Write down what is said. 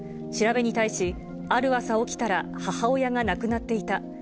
調べに対し、ある朝起きたら、母親が亡くなっていた。